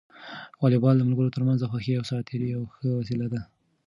واليبال د ملګرو ترمنځ د خوښۍ او ساعت تېري یوه ښه وسیله ده.